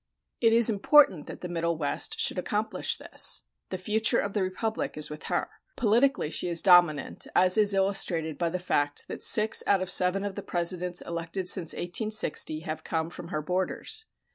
It is important that the Middle West should accomplish this; the future of the Republic is with her. Politically she is dominant, as is illustrated by the fact that six out of seven of the Presidents elected since 1860 have come from her borders.